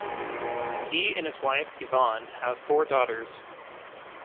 He and his wife Yvonne have four daughters.